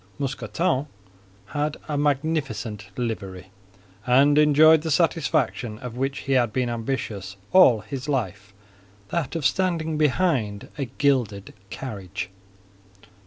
Mousqueton had a magnificent livery, and enjoyed the satisfaction of which he had been ambitious all his life—that of standing behind a gilded carriage.